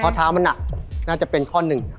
เท้ามันหนักน่าจะเป็นข้อหนึ่ง